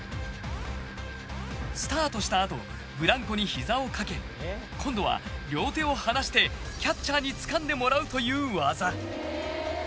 スタートした後ブランコに膝を掛け今度は両手を離してキャッチャーにつかんでもらうという技。